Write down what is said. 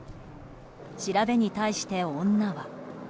調べに対して女は。